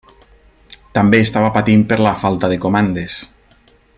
També estava patint per la falta de comandes.